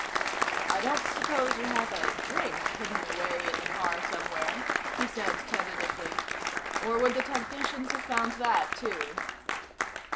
"I don't suppose you have a drink hidden away in the car somewhere?" he said tentatively. "Or would the technicians have found that, too?"